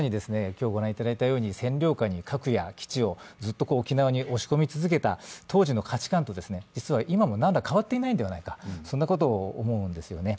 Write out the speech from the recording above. まさに、占領下に核や基地をずっと沖縄に押し込み続けた当時の価値観と実は今も何ら変わっていないのではないかそんなことを思うんですよね。